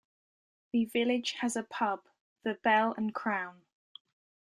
The village has a pub, the Bell and Crown.